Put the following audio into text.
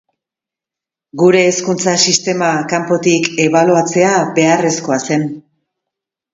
Gure hezkuntza sistema kanpotik ebaluatzea beharrezkoa zen.